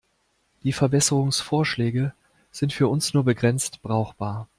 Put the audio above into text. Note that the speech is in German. Die Verbesserungsvorschläge sind für uns nur begrenzt brauchbar.